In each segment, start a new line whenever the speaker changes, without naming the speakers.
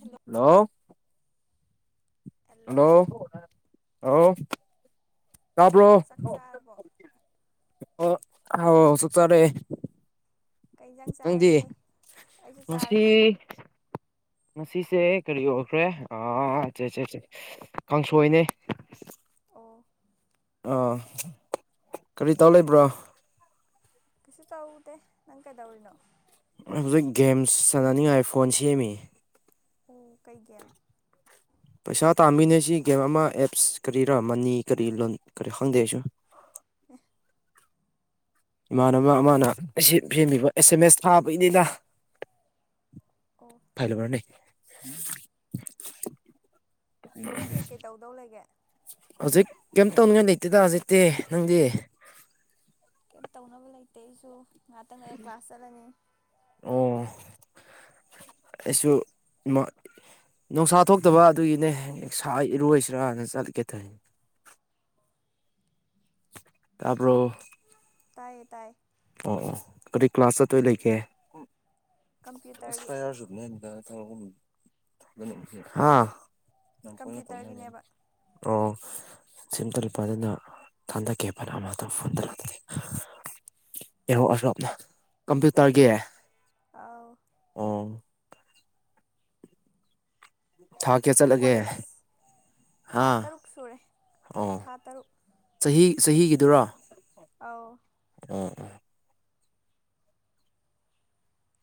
hello
hello
hello
hello ꯇꯥꯕ꯭ꯔꯣ
ꯆꯥꯛ ꯆꯥꯔꯕꯣ
ꯑꯣ ꯍꯥꯎ ꯁꯇꯥꯔꯦ
ꯀꯩ ꯏꯟꯖꯥꯡ
ꯅꯪꯗꯤ
ꯆꯥꯔꯒꯦ ꯑꯩꯁꯨ ꯆꯥꯔꯦ
ꯉꯁꯤ ꯉꯁꯤꯁꯦ ꯀꯔꯤ ꯑꯣꯏꯈ꯭ꯔꯦꯆꯦꯠꯆꯦꯦ ꯀꯥꯡꯁꯣꯏꯅꯦ
ꯑꯣ
ꯑꯥ ꯀꯔꯤ ꯇꯥꯎ ꯂꯩꯕ꯭ꯔꯣ
ꯀꯩꯁꯨ ꯇꯧꯗꯦ ꯅꯪ ꯀꯩꯗꯧꯔꯤꯅꯣ
ꯍꯧꯖꯤꯛ ꯒꯦꯝꯁ ꯆꯥꯟꯅꯅꯤꯡꯉꯥꯏ ꯐꯣꯟ ꯁꯦꯝꯃꯤ
ꯎ ꯀꯩꯒꯤꯦꯝ
ꯄꯩꯁꯥ ꯇꯥꯃꯤꯟꯅꯁꯤ ꯒꯦꯝ ꯑꯃ ꯑꯦꯞꯁ ꯀꯔꯤꯔꯥ ꯃꯅꯤ ꯀꯔꯤ ꯂꯣꯟ ꯀꯔꯤ ꯈꯪꯗꯦ ꯑꯩꯁꯨ ꯏꯃꯥꯟꯅꯕ ꯑꯃꯅ ꯑꯁꯤ ꯐꯦꯝꯕꯤꯕ ꯑꯦꯁ ꯑꯦꯝ ꯑꯦꯁ ꯊꯥꯕꯒꯤꯅꯤꯅ
ꯑꯣ
ꯐꯥꯏ ꯂꯕꯅꯦ
ꯑꯇꯩ ꯀꯩꯀꯩ ꯇꯧꯗꯧ ꯂꯩꯒꯦ
ꯍꯧꯖꯤꯛ ꯀꯩꯝ ꯇꯧꯅꯤꯡꯉꯥꯏ ꯂꯩꯇꯦꯗ ꯍꯧꯖꯤꯛꯇꯤ ꯅꯪꯗꯤ
ꯀꯩꯝ ꯇꯧꯅꯕ ꯂꯩꯇꯦ ꯑꯩꯁꯨ ꯉꯥꯏꯍꯥꯛꯇꯪ ꯂ ꯀ꯭ꯂꯥꯁ ꯆꯠꯂꯅꯤ
ꯑꯣ ꯑꯩꯁꯨ ꯏ ꯅꯨꯡꯁꯥ ꯊꯣꯛꯇꯕ ꯑꯗꯨꯒꯤꯅꯦ ꯏꯔꯣꯏꯁꯤꯔꯥꯅ ꯆꯠꯀꯦ ꯇꯧꯔꯤꯅꯤ ꯇꯥꯄꯣ
ꯇꯥꯏꯌꯦ ꯇꯥꯏꯌꯦ
ꯑꯣ ꯑꯣ ꯀꯔꯤ ꯀ꯭ꯂꯥꯁ ꯆꯠꯇꯣꯏ ꯂꯩꯒꯦ
ꯀꯝꯄ꯭ꯌꯨꯇꯔꯒꯤ
ꯑꯦꯁꯄꯔꯁꯨꯨꯞꯅ ꯅ
ꯀꯝꯄ꯭ꯌꯨꯇꯔꯒꯤꯅꯦꯕ
ꯑꯣ ꯁꯤꯝ ꯇ ꯂꯨꯛꯄ ꯑꯗꯨꯅ ꯊꯟꯗꯀꯦꯄꯅ ꯑꯃꯛꯇꯪ ꯐꯣꯟ ꯇꯧꯔꯛꯑꯦ ꯑꯦꯍꯧ ꯑꯁꯣꯞꯅ ꯀꯝꯄ꯭ꯌꯨꯇꯔꯒꯤ
ꯑꯥꯎ
ꯎꯝ ꯊꯥ ꯀꯌꯥ
ꯅꯪ
ꯆꯠꯂꯒꯦ
ꯀꯣꯂꯦꯖ ꯊꯥ
ꯍꯥ
ꯇꯔꯨꯛ ꯁꯨꯔꯦ ꯊ
ꯑꯣ
ꯊꯥ ꯇꯔꯨꯛ
ꯆꯍꯤ ꯆꯍꯤꯒꯤꯗꯨꯔꯥ
ꯑꯥꯎ
ꯎ [unintelligible]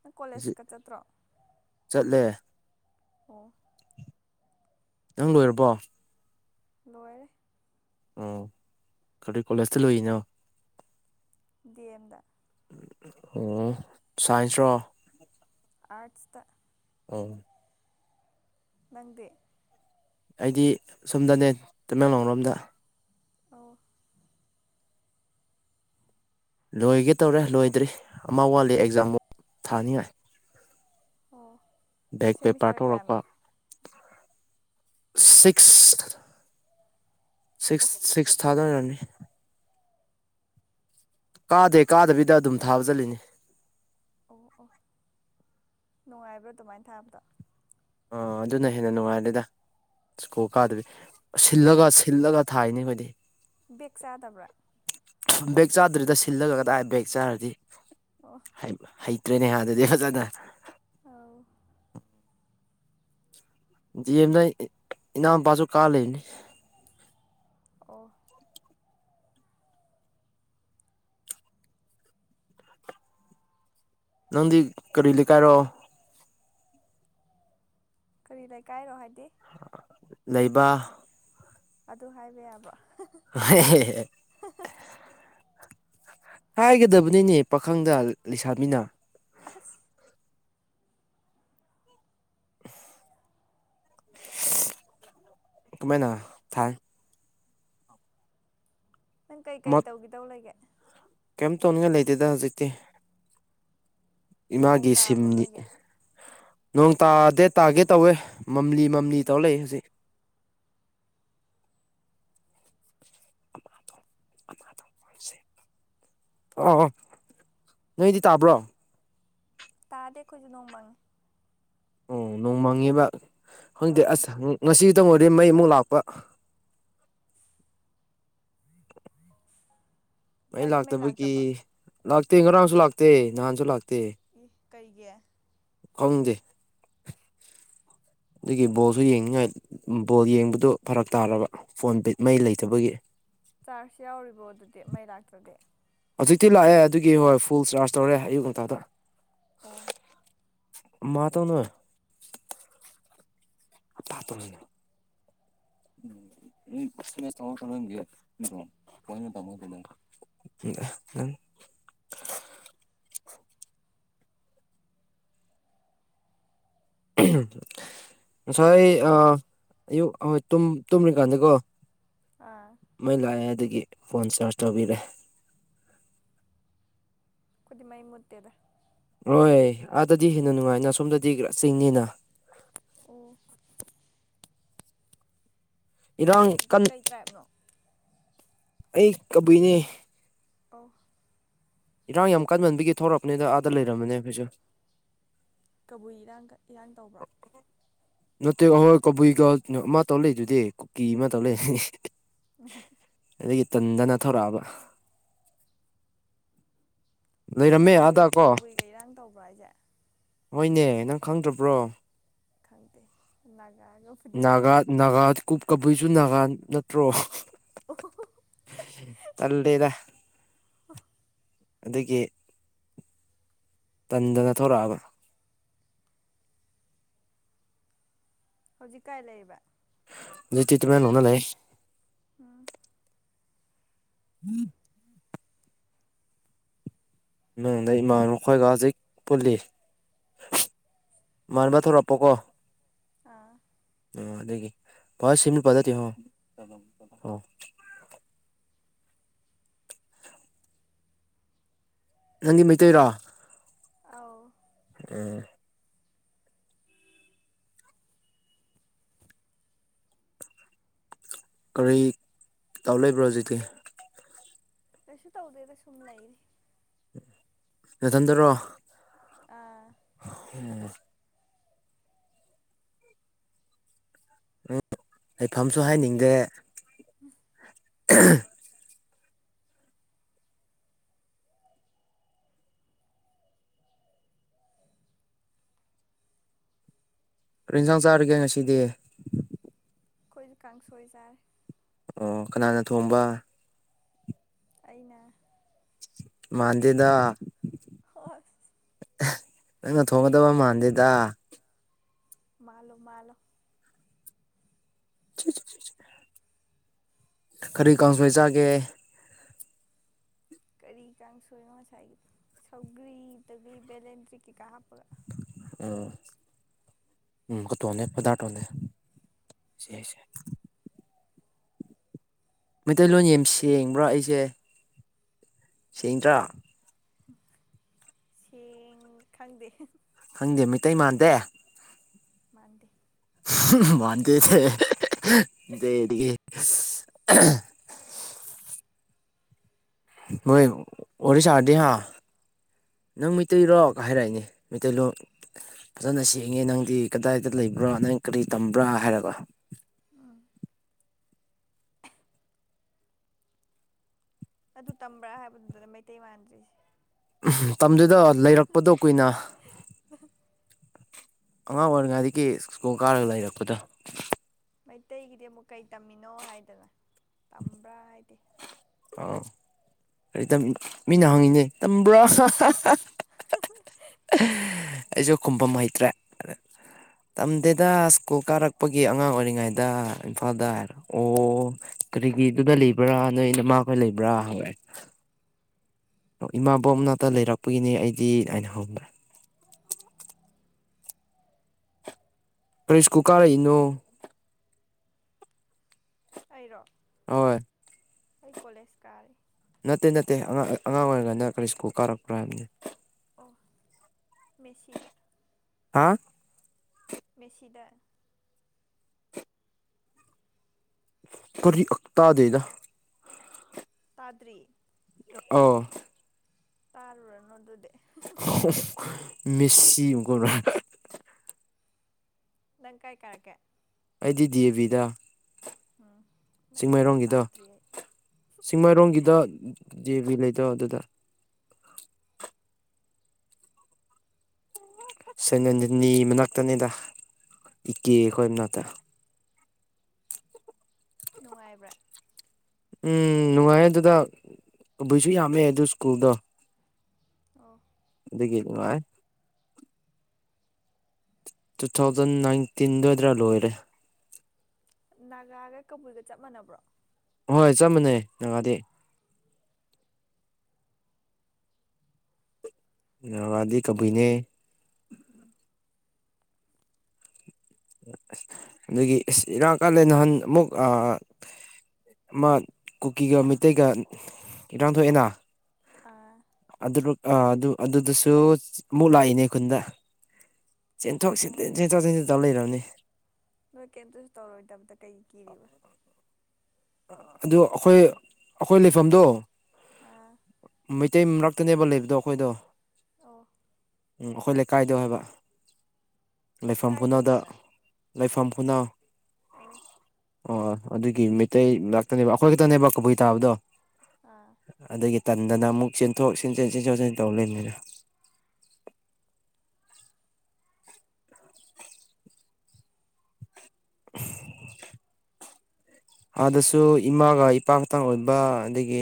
ꯅꯪ ꯀꯣꯂꯦꯖꯀ ꯆꯠꯇ꯭ꯔꯣ
ꯆꯠꯂꯦ
ꯑꯣ
ꯅꯪ ꯂꯣꯏꯔꯕꯣ
ꯂꯣꯏꯔꯦ
ꯑꯣ ꯀꯔꯤ ꯀꯣꯂꯦꯖꯇ ꯂꯣꯏꯅꯣ
ꯗꯤꯑꯦꯝ ꯗ
ꯑꯣ ꯁꯥꯏꯟꯁ ꯔꯣ
ꯑꯥꯔ꯭ꯠꯁꯇ
ꯑꯣ
ꯅꯪꯗꯤ
ꯑꯩꯗꯤ ꯁꯨꯝꯗꯅꯦ ꯇꯃꯦꯡꯂꯣꯡ ꯔ‌ꯣꯝꯗ
ꯑꯣ
ꯂꯣꯏꯒꯦ ꯇꯧꯔꯦ ꯂꯣꯏꯗ꯭ꯔꯤ ꯑꯃ ꯋꯥꯠꯂꯤ ꯑꯦꯛꯖꯥꯝꯕꯨ ꯊꯥꯅꯤꯡꯉꯥꯏ
ꯑꯣ
ꯕꯦꯛ ꯄꯦꯄꯔ
ꯁꯦꯃꯤꯁꯇꯔ ꯀꯌꯥꯅꯣ
ꯇꯧꯔꯛꯄꯥ ꯁꯤꯛ꯭ꯁ
ꯑꯣ
ꯁꯤꯛꯁ ꯁꯤꯛꯁ ꯊꯥꯗ‌ꯣꯏꯑꯣꯏꯔꯝꯅꯤ ꯀꯥꯗꯦ ꯀꯥꯗꯕꯤꯗ ꯑꯗꯨꯝ ꯊꯥꯕ ꯆꯠꯂꯤꯅꯤ
ꯑꯣ ꯑꯣ ꯅꯨꯡꯉꯥꯏꯕ꯭ꯔꯥ ꯑꯗꯨꯃꯥꯏꯅ ꯊꯥꯕꯗꯣ
ꯑꯣ ꯑꯗꯨꯅ ꯍꯦꯟꯅ ꯅꯨꯡꯉꯥꯏꯔꯦꯗ ꯁ꯭ꯀꯨꯜ ꯀꯥꯗꯕꯤ ꯁꯤꯜꯂꯒ ꯁꯤꯜꯂꯒ ꯊꯥꯏꯅ‌ꯦ ꯑꯩꯈꯣꯏꯗꯤ
ꯕꯦꯛ ꯆꯥꯗꯕ꯭ꯔꯥ
ꯕꯦꯛ ꯆꯥꯗ꯭ꯔꯤꯗ ꯁꯤꯜꯂꯒ ꯀꯗꯥꯏ ꯕꯦꯛ ꯆꯥꯔꯗꯤ
ꯑꯣ
ꯍꯩꯃꯥ ꯍꯩꯇ꯭ꯔꯦꯅꯦ ꯍꯥ ꯗꯨꯗꯤ ꯐꯖꯅ
ꯑꯥꯎ
ꯗꯤꯑꯦꯝꯗ ꯏ ꯏꯅꯥꯎꯄꯥꯁꯨ ꯀꯥ ꯂꯩꯕꯅꯤ
ꯑꯣ
ꯅꯪꯗꯤ ꯀꯔꯤ ꯂꯩꯀꯥꯏꯔ‌ꯣ
ꯀꯔꯤ ꯂꯩꯀꯥꯏꯔꯣ ꯍꯥꯏꯗꯤ
ꯂꯩꯕ
ꯑꯗꯨ ꯍꯥꯏꯕ ꯌꯥꯕ꯭ꯔ‌ꯣ
ꯍ [unintelligible] ꯍꯥꯏꯒꯗꯕꯅꯤꯅꯦ ꯄꯥꯈꯪꯗ ꯂꯩꯁꯥꯕꯤ‌ꯅ
ꯑꯍꯁ
ꯀꯃꯥꯏꯅ ꯊꯥꯏ
ꯅꯪ ꯀꯩꯀꯩ
ꯃꯛ
ꯇꯧꯒꯦꯗꯧ ꯂꯩꯒꯦ
ꯀꯩꯝ ꯇꯧꯅꯤꯡꯉꯥꯏ ꯂꯩꯇꯦꯗ ꯍꯧꯖꯤꯛꯇꯤ
ꯅꯣꯡ
ꯏꯃꯥꯒꯤ
ꯇꯥꯕ꯭ꯔꯣ
ꯁꯤꯝꯅꯤ
ꯅꯣꯏꯒꯤ
ꯅꯣꯡ ꯇꯥꯗꯦ ꯇꯥꯒꯦ ꯇꯧꯋꯦ ꯃꯝꯂꯤ ꯃꯝꯂꯤ
ꯎꯝ
ꯇꯧꯔ ꯂꯩꯏ ꯍꯧꯖꯤꯛ ꯑꯣ ꯅꯣꯏꯗꯤ ꯇꯥꯕ꯭ꯔꯣ
ꯇꯥꯗꯦ ꯈꯣꯏꯁꯨ ꯅꯣꯡ ꯃꯪ
ꯑꯣ ꯅꯣꯡꯃꯪꯉꯦꯕ ꯈꯪꯗ‌ꯦ
ꯑꯧ
ꯑꯁ ꯉꯁꯤ ꯈꯛꯇꯪ ꯑꯣꯏꯗꯤ ꯃꯩ ꯑꯃꯨꯛ ꯂꯥꯛꯄ ꯃꯩ
ꯉꯁꯥꯏꯗꯤ
ꯂꯥꯛꯇꯕꯒꯤ
ꯂꯥꯛꯇꯕ꯭ꯔꯣ
ꯂꯥꯛꯇꯦ ꯉꯔꯥꯡꯁꯨ ꯂꯥꯛꯇꯦ ꯅꯍꯥꯟꯁꯨ ꯂꯥꯛꯇꯦ
ꯏ ꯀꯩꯒꯤ
ꯈꯪꯗꯦ ꯑꯗꯨꯒꯤ ꯕꯣꯜꯁꯨ ꯌꯦꯡꯉꯥꯏ ꯕꯣꯜ ꯌꯦꯡꯕꯗ ꯐꯔꯛ ꯇꯥꯔꯕ ꯐꯣꯟ ꯃꯩ ꯂꯩꯇꯕꯒꯤ
ꯆꯥꯔꯁ ꯌꯥꯎꯔꯤꯕꯣ ꯑꯗꯨꯗꯤ ꯃꯩ ꯂꯥꯛꯇꯗꯤ
ꯍꯧꯖꯤꯛꯇꯤ ꯂꯥꯛꯑꯦ ꯑꯗꯨꯒꯤ ꯍꯣꯏ ꯐꯨꯜ ꯆꯥꯔꯖ ꯇꯧꯔꯦ ꯑꯌꯨꯛ ꯉꯇꯥꯗ
ꯑꯣ
ꯃꯥ ꯇꯧꯅ ꯇꯥ ꯇꯅ ꯎꯝ ꯎꯝ ꯆꯃꯦ ꯇꯃ ꯎ [inaudible] ꯉꯁꯥꯏ ꯑꯌꯨꯛ ꯍꯣꯏ ꯇꯨꯝꯔꯤꯀꯥꯟꯗꯤꯦꯀꯣ
ꯑꯥ
ꯃꯩ ꯂꯥꯛꯑꯦ ꯑꯗꯨꯗꯒꯤ ꯐꯣꯟ ꯆꯥꯔꯖ ꯇꯧꯕꯤꯔꯛꯑꯦ
ꯈꯨꯗꯤꯡꯃꯩ ꯃꯨꯠꯇꯦꯗ
ꯍꯣꯏ ꯑꯥꯗꯗꯤ ꯍꯦꯟꯅ ꯅꯨꯡꯉꯥꯏꯅ ꯁꯣꯝꯗꯗꯤ ꯈꯔ ꯆꯤꯡꯅꯤꯅ
ꯑꯣꯐ
ꯏꯔꯥꯡ
ꯀꯩ
ꯀꯟ
ꯀꯩ ꯇ꯭ꯔꯥꯏꯞꯅꯣ
ꯑꯩ ꯀꯕꯤꯏꯅꯤ
ꯑ
ꯏꯔꯥꯡ ꯌꯥꯝ ꯀꯟꯃꯟꯕꯤꯒꯤ ꯊꯣꯛꯂꯛꯄꯅꯦꯗ ꯑꯥꯗ ꯂꯩꯔꯝꯝꯕꯅꯦ ꯑꯩꯈꯣꯏꯁꯨ
ꯀꯕꯨꯏ ꯏꯔꯥꯡꯒ ꯏꯔꯥꯡ ꯇꯧꯕ꯭ꯔꯣ
ꯅꯠꯇꯦ ꯑꯍꯣꯏ ꯀꯕꯨꯏꯒ ꯑꯃ ꯇꯧ ꯂꯩꯗꯨꯗꯤ ꯀꯨꯀꯤ ꯑꯃ ꯇꯧ ꯂꯩ
ꯎ
ꯑꯗꯒꯤ ꯇꯟꯗꯅ ꯊꯧꯔꯛꯑꯕ ꯂꯩꯔꯝꯃꯦ
ꯀꯨꯀꯤꯒ
ꯑꯥꯗ ꯀꯣ
ꯀꯕꯨꯏꯒ ꯏꯔꯥꯡ ꯇꯧꯕ꯭ꯔꯥ ꯍꯥꯏꯁꯦ
ꯍꯣꯏꯅꯦ ꯅꯪ ꯈꯪꯗ꯭ꯔꯕ꯭ꯔꯣ
ꯈꯪꯗꯦ ꯅꯥꯒꯥꯑꯒ
ꯅꯥꯒꯥ ꯅꯥꯒꯥ ꯀꯨꯞ ꯀꯕꯨꯏꯁꯨ ꯅꯥꯒꯥ ꯅꯠꯇ꯭ꯔꯣ ꯇꯜ ꯂꯩꯗ
ꯑ
ꯑꯗꯒꯤ ꯇꯟꯗꯅ ꯊꯣꯔꯛꯑꯕ꯭ꯔꯥ
ꯍꯧꯖꯤꯛꯀꯥꯏ ꯂꯩꯕ
ꯇꯤꯃꯦꯟꯅ ꯂꯩ
ꯑꯝ
ꯎꯝ ꯃꯅꯨꯡꯗ ꯏꯃꯥꯟꯅꯈꯣꯏꯒ ꯍꯧꯖꯤꯛ ꯄꯨꯜꯂꯤ ꯃꯥꯟꯕ ꯊꯣꯔꯛꯄꯣꯀꯣ
ꯑꯥ
ꯑꯣ ꯑꯗꯒꯤ ꯍ ꯁꯤꯃꯤꯜ ꯄꯗꯗꯤ ꯑꯣ ꯅꯪꯗꯤ ꯃꯩꯇꯩꯔꯣ
ꯑꯥꯎ
ꯎꯝ ꯀꯔꯤ ꯇꯥꯎ ꯂꯩꯕ꯭ꯔꯣ ꯍꯧꯖꯤꯗꯤꯤ
ꯀꯩꯁꯨ ꯇꯧꯗꯦꯗ ꯁꯨꯝ ꯂꯩꯔꯤ
ꯅꯊꯟꯗꯔꯣ
ꯑꯥ
ꯑꯣ ꯎꯝ ꯑꯩꯐꯝꯝꯁꯨ ꯍꯥꯏꯅꯤꯡꯗꯦ ꯎ ꯔꯤꯟꯖꯥꯡ ꯆꯥꯔꯒꯦ ꯉꯁꯤꯗꯤ
ꯈꯣꯏꯗꯤ ꯀꯥꯡꯁꯣꯏ ꯆꯥꯏ
ꯑꯣ ꯀꯅꯥꯅ ꯊꯣꯡꯕ
ꯑꯩꯅ
ꯃꯥꯟꯗꯦꯗ
ꯍꯣꯑꯣꯏ
ꯅꯪꯅ ꯊꯣꯡꯒꯗꯕ ꯃꯥꯟꯗꯦꯗ
ꯃꯥꯜꯂꯣ ꯃꯥꯂꯣ
ꯆꯨ ꯆꯨꯛ ꯆꯨꯛ ꯀꯔꯤ ꯒꯥꯡꯖꯣꯏ ꯆꯥꯒꯦ
ꯀꯔꯤ ꯀꯥꯡꯁꯣꯏꯅꯣ ꯉꯁꯥꯏꯒꯤꯗꯨ ꯁꯧꯒꯔꯤ ꯗꯒꯤ ꯕꯦꯂꯦꯟꯗꯔꯤ ꯀꯩ ꯀꯥ ꯍꯥꯞꯀꯒ
ꯑꯣ ꯎꯝ ꯀꯣꯇꯣꯅꯦ ꯄꯗꯥꯔ ꯇꯣꯅꯦ ꯃꯩꯇꯩꯂꯣꯟ ꯌꯦꯝ ꯁꯦꯡꯕ꯭ꯔꯥ ꯑꯩꯁꯦ ꯁꯦꯡꯗ꯭ꯔꯥ
ꯁꯦꯡ ꯈꯪꯗꯦ
ꯈꯪꯗꯦ ꯃꯩꯇꯩ ꯃꯥꯟꯗꯦ
ꯃꯥꯥꯟꯗꯦ
ꯍꯝꯍꯝ ꯃꯥ ꯗꯦ ꯊꯦ ꯗꯦꯗꯤꯑꯦ ꯃꯣꯏ ꯋꯥꯔꯤ ꯁꯥꯔꯗꯤ ꯍꯥꯥ ꯅꯪ ꯃꯩꯇꯩꯔꯣ ꯍꯥꯏꯔꯛꯏꯅꯦ ꯃꯩꯇꯩꯔꯣ ꯐꯖꯅ ꯁꯦꯡꯉꯦ ꯅꯪꯗꯤ ꯀꯗꯥꯏꯗ ꯂꯩꯕ꯭ꯔꯥ ꯅꯪ ꯀꯔꯤ ꯇꯝꯕ꯭ꯔꯥ ꯍꯥꯏꯔꯕ
ꯑꯗꯨ ꯇꯝꯕ꯭ꯔꯥ ꯍꯥꯏꯕꯗꯨꯗꯅꯦ ꯃꯩꯇꯩ ꯃꯥꯟꯗ꯭ꯔꯤꯁꯦ
ꯇꯝꯗꯦꯗ ꯂꯩꯔꯛꯄꯗꯣ ꯀꯨꯏꯅ ꯑꯉꯥꯡ ꯑꯣꯏꯔꯤꯉꯥꯏꯗꯒꯤ ꯁ꯭ꯀꯣꯜ ꯀꯥꯔꯒ ꯂꯩꯔꯛꯄꯗꯣ
ꯃꯩꯇꯩꯒꯤꯗꯤ ꯑꯃꯨꯛ ꯀꯩ ꯇꯝꯃꯤꯅꯣ ꯍꯥꯏꯗꯅ ꯇꯝꯕ꯭ꯔꯥ ꯍꯥꯏꯗꯦ
ꯑꯥꯎ ꯔꯩꯇꯝꯃꯤ ꯃꯤꯅ ꯍꯪꯉꯤꯅꯦ ꯇꯝꯕ꯭ꯔꯥ
[inaudible]
ꯑꯩꯁꯨ ꯈꯨꯝꯐꯝ ꯍꯩꯇ꯭ꯔꯦ ꯑꯅ ꯇꯝꯗꯦꯗ ꯁ꯭ꯀꯨꯜ ꯀꯥꯔꯛꯄꯒꯤ ꯑꯉꯥꯡ ꯑꯣꯏꯔꯤꯉꯩꯗ ꯏꯝꯐꯥꯜꯗ ꯍꯥꯏꯔꯣ ꯑꯣ ꯀꯔꯤꯒꯤ ꯑꯗꯨꯗ ꯂꯩꯕ꯭ꯔꯥ ꯅꯣꯏ ꯅꯃꯥꯈꯣꯏ ꯂꯩꯕ꯭ꯔꯥ ꯍꯧꯑꯦ ꯏꯃꯥꯕꯣ ꯃꯅꯥꯇ ꯂꯩꯔꯛꯄꯒꯤꯅꯦ ꯑꯩꯗꯤ ꯍꯥꯏꯅ ꯍꯧꯗ꯭ꯔꯦ ꯀꯔꯤ ꯁ꯭ꯀꯣꯜ ꯀꯥꯔꯏꯅꯣ
ꯑꯩꯔꯣ
ꯑꯣꯏ
ꯑꯩ ꯀꯣꯂꯦꯁ ꯀꯥꯔꯦ
ꯅꯠꯇꯦ ꯅꯠꯇꯦ ꯑꯉꯥ ꯑꯦ ꯑꯉꯥꯡ ꯑꯣꯏꯔꯤꯉꯥꯏꯅ ꯀꯔꯤ ꯁ꯭ꯀꯨꯜ ꯀꯥꯔꯛꯄ꯭ꯔꯥ ꯍꯥꯏꯕꯅꯤ
ꯑꯣ ꯃꯦꯁꯤꯗ
ꯍꯥꯥ
ꯃꯦꯁꯤꯗ
ꯀꯔꯤꯛ ꯇꯥꯗꯦꯗ
ꯇꯥꯗ꯭ꯔꯤ
ꯑꯣ
ꯇꯥꯔꯨꯔꯅꯣ ꯑꯗꯨꯗꯦ
ꯃꯤꯁꯤ ꯒꯨꯔ
ꯅꯪ ꯀꯥꯏ ꯀꯥꯔꯛꯀꯦ
ꯑꯩꯗꯤ ꯙꯦꯕꯤꯗ
ꯎꯝ ꯅꯪꯒꯤꯗꯨꯁꯨ
ꯆꯤꯡꯃꯩꯔꯣꯡꯒꯤꯗꯣ
ꯇꯥꯗ꯭ꯔꯤ ꯑꯩ
ꯆꯤꯡꯃꯥꯏꯔꯣꯡꯒꯤꯗ ꯗꯦꯕꯤ ꯂꯩꯗꯣ ꯑꯗꯨꯗ ꯁꯦꯅꯅꯅꯤꯒꯤ ꯃꯅꯥꯛꯇꯅꯤꯗ ꯏꯀꯦ ꯈꯣꯏ ꯃꯅꯥꯛꯇ
ꯅꯨꯡꯉꯥꯏꯕ꯭ꯔꯥ
ꯎꯝ ꯅꯨꯡꯉꯥꯏꯦ ꯑꯗꯨꯗ ꯀꯕꯨꯏꯁꯨ ꯌꯥꯝꯃꯦ ꯑꯗꯨ ꯁ꯭ꯀꯨꯜꯗꯣ
ꯑ
ꯑꯗꯨꯗꯒꯤꯅꯨꯡꯉꯥꯏ ꯇꯨ ꯊꯥꯎꯖꯟ ꯅꯥꯏꯟꯇꯤꯟꯗ ꯑꯣꯏꯗ꯭ꯔꯥ ꯂꯣꯏꯔꯦ
ꯅꯥꯒꯥꯒ ꯀꯕꯨꯏꯒ ꯆꯞ ꯃꯥꯟꯅꯕ꯭ꯔꯣ
ꯍꯣꯏ ꯆꯠꯃꯅꯦ ꯅꯪꯒꯥꯥꯗꯤ ꯉꯋꯥꯗꯤ ꯀꯕꯤꯅꯦ
ꯎꯝ
ꯑ ꯑꯗꯒꯤ ꯑꯁ ꯏꯔꯥꯀꯥꯟꯂꯦ ꯅꯍꯥꯟ ꯑꯃꯨꯛ ꯑꯃ ꯀꯨꯀꯤꯒ ꯃꯩꯇꯩꯒ ꯏꯔꯥꯡꯊꯣꯏꯗꯅ
ꯑꯥ
ꯑꯗꯨ ꯑꯗꯨ ꯑꯗꯨꯗꯨꯁꯨ ꯑꯃꯨꯛ ꯂꯥꯛꯏꯅꯦ ꯈꯨꯟꯗ ꯆꯦꯟꯊꯣꯛ ꯆ
ꯑꯣ
ꯆꯦꯟꯊꯣꯛ ꯆꯦꯟꯁꯤ ꯇꯧ ꯂꯩꯔꯕꯅꯤ
ꯅꯣꯏ ꯀꯩꯝꯇꯁꯨ ꯇꯧꯔꯣꯏꯗꯕꯗ ꯀꯩ ꯀꯤꯔꯤꯕ
ꯑꯗꯨ ꯑꯩꯈꯣꯏ ꯑꯩꯈꯣꯏ ꯂꯩꯐꯝꯗꯣ
ꯑꯥ
ꯃꯩꯇꯩ ꯃꯔꯛꯇꯅꯦꯕ ꯂꯩꯕꯗꯣ ꯑꯩꯈꯣꯏꯗꯣ
ꯑ
ꯎꯝ ꯑꯩꯈꯣꯏ ꯂꯩꯀꯥꯏꯗꯣ ꯍꯥꯏꯕ ꯂꯩꯐꯝ
ꯀꯥꯏꯗꯩꯅꯣ
ꯈꯨꯅꯗ ꯂꯩꯐꯝ ꯈꯨꯅ
ꯑꯣꯐ
ꯑꯣ ꯑꯗꯨꯒꯤ ꯃꯩꯇꯩ ꯉꯛꯇꯅꯦꯕ ꯑꯩꯈꯣꯏ ꯈꯛꯇꯅꯦꯕ ꯀꯕꯨꯏ ꯇꯥꯕꯗꯣ
ꯑꯥ
ꯑꯗꯒꯤ ꯇꯟꯗꯅ ꯑꯃꯨꯛ ꯆꯦꯟꯊꯣꯛ ꯆ ꯆꯟ ꯆꯣꯛ ꯆꯟ ꯇꯧ ꯂꯩꯅꯤꯅ [unintelligible] ꯑꯥꯗꯁꯨ ꯏꯃꯥꯒ ꯏꯄꯥꯛꯀꯇꯥꯡ ꯑꯣꯏꯕ ꯑꯗꯒꯤ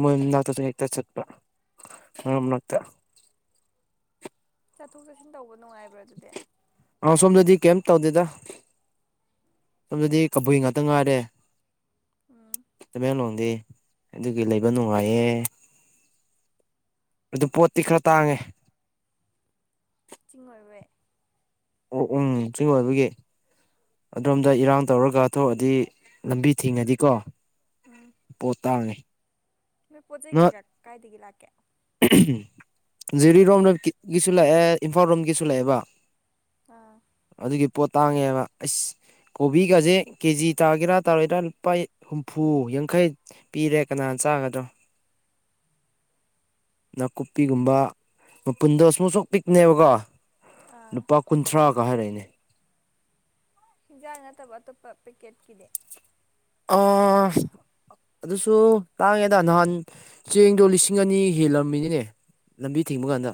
ꯃꯣꯏ ꯃꯅꯥꯛꯇꯁꯨ ꯍꯦꯛꯇ ꯆꯠꯄ ꯃꯔꯛ ꯃꯔꯅꯥꯛꯇ
ꯆꯠꯊꯣꯛ ꯆꯠꯁꯤꯟ ꯇꯧꯕ ꯅꯨꯡꯉꯥꯏꯕ꯭ꯔꯥ ꯑꯗꯨꯗꯤ
ꯑ ꯁꯣꯝꯗꯗꯤ ꯀꯩꯝ ꯇꯧꯗꯦꯗ ꯃꯇꯝ ꯑꯗꯨꯗꯤ ꯀꯕꯨꯏ ꯉꯥꯛꯇ ꯉꯥꯏꯔꯦ
ꯎꯝ
ꯇꯃꯦꯡꯂꯣꯡꯗꯤ ꯑꯗꯨꯒꯤ ꯂꯩꯕ ꯅꯨꯡꯉꯥꯏꯌꯦꯦ ꯑꯗꯨ ꯄꯣꯠꯇꯤ ꯈꯔ ꯇꯥꯡꯉꯦ
ꯆꯤꯡ ꯑꯣꯏꯔꯦ
ꯑꯣ ꯎꯝ ꯆꯤꯡ ꯑꯣꯏꯕꯒꯤ ꯑꯗꯣꯝꯗ ꯏꯔꯥꯡ ꯇꯧꯔꯒ ꯊꯣꯛꯑꯗꯤ ꯂꯝꯕꯤ ꯊꯤꯡꯉꯗꯤꯀꯣ
ꯍꯥꯥ
ꯄꯣꯇꯥꯅꯤ
ꯅꯣꯏ ꯄꯣꯠ ꯆꯩ ꯀꯩꯀꯥ ꯀꯥꯏꯗꯒꯤ ꯂꯥꯛꯀꯦ
ꯖꯤꯔꯤꯔꯣꯝꯅ ꯒꯤꯁꯨ ꯂꯥꯛꯑꯦ ꯏꯝꯐꯥꯜ ꯔꯣꯝꯒꯤꯁꯨ ꯂꯥꯛꯑꯦꯕ
ꯑꯥ
ꯑꯗꯨꯒꯤ ꯄꯣꯠ ꯇꯥꯡꯉꯦꯕ ꯑꯩꯁ ꯀꯣꯕꯤꯒꯁꯦ ꯀꯦꯖꯤ ꯇꯥꯒꯦꯔꯥ ꯇꯥꯔꯣꯏꯗꯔꯥ ꯂꯨꯄꯥ ꯍꯨꯝꯐꯨ ꯌꯥꯡꯈꯩ ꯄꯤꯔꯦ ꯀꯅꯥꯅ ꯆꯥꯒꯗ꯭ꯔꯣ ꯅꯥꯀꯨꯞꯄꯤꯒꯨꯝꯕ ꯃꯄꯨꯟꯗꯣ ꯑꯁꯨꯨꯝ ꯑꯁꯨꯛ ꯄꯤꯛꯅꯦꯕꯀꯣ
ꯑꯥ
ꯅꯨꯄꯥ ꯀꯨꯟꯊ꯭ꯔꯥꯒ ꯍꯥꯏꯔꯛꯏꯅꯦ
ꯍꯤꯟꯖꯥꯡ ꯅꯠꯇꯕ ꯑꯇꯣꯞꯄ ꯄꯦꯀꯦꯠꯀꯤꯅꯦ
ꯑꯣ ꯑꯗꯨꯁꯨ ꯇꯥꯡꯉꯦꯗ ꯅꯍꯥꯟ ꯆꯦꯡꯗꯣ ꯂꯤꯁꯤꯡ ꯑꯅꯤ ꯍꯦꯜꯂꯝꯃꯤꯅꯤꯅꯦ ꯂꯝꯕꯤ ꯊꯤꯡꯕ
ꯑꯦ
ꯀꯥꯟꯗ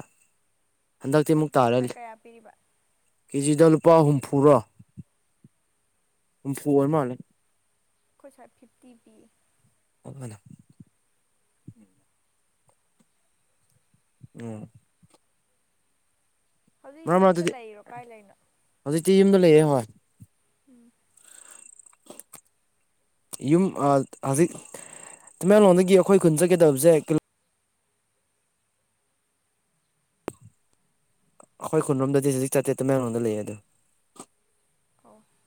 ꯍꯟꯗꯛꯇꯤ
ꯆꯦꯡ
ꯑꯃꯨꯛ
ꯀꯦꯖꯤꯗ
ꯇꯥꯔꯜꯂꯤ
ꯀꯌꯥ ꯄꯤꯔꯤꯕ
ꯀꯦꯖꯤꯗ ꯂꯨꯄꯥ ꯍꯨꯝꯐꯨꯔꯣ ꯍꯨꯝꯐꯨ ꯑꯣꯏ ꯃꯥꯜꯂꯦ
ꯑꯩꯈꯣꯏ ꯁ꯭ꯋꯥꯠ ꯐꯤꯐꯇꯤ ꯄꯤꯌꯦ
ꯑꯃꯅꯥ ꯎꯝ
ꯍꯧꯖꯤꯛ
ꯃꯔꯛ
ꯌꯨꯝꯗ
ꯃꯔꯛꯇꯗꯤ
ꯂꯩꯔꯤꯔꯣ ꯀꯥꯏ ꯂꯩꯅꯣ
ꯍꯧꯖꯤꯛꯇꯤ ꯌꯨꯝꯗ ꯂꯩꯔꯦ ꯍꯣꯏ
ꯎꯝ
ꯌꯨꯝ ꯑꯥ ꯍꯧꯖꯤꯛ ꯇꯃꯦꯡꯂꯣꯡꯗꯒꯤ ꯑꯈꯣꯏ ꯈꯨꯟ ꯆꯠꯀꯦ ꯇꯧꯔꯤꯁꯦ ꯀꯤꯂꯣ ꯑꯈꯣꯏ ꯈꯨꯟꯂꯣꯝꯗꯗꯤ ꯖꯖꯤꯛ ꯆꯦꯠꯇꯦ ꯇꯃꯦꯡꯂꯣꯡꯗ ꯂꯩꯌꯦ ꯑꯗꯨꯝ
ꯑꯣ